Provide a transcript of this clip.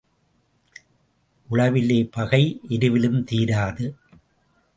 உழவிலே பகை எருவிலும் தீராது.